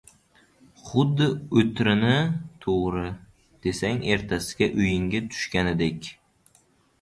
Xuddi o‘trini to‘g‘ri, desang ertasiga uyingga tushganidek…